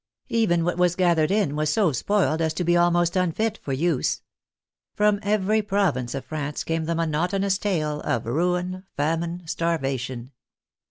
Even what was gathered in was so spoiled as to be almost unfit for use. From every pro vince of France came the monotonous tale of ruin, famine, starvation.